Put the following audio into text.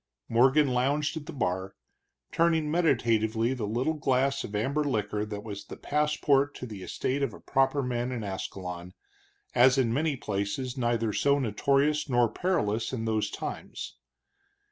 Morgan lounged at the bar, turning meditatively the little glass of amber liquor that was the passport to the estate of a proper man in Ascalon, as in many places neither so notorious nor perilous in those times.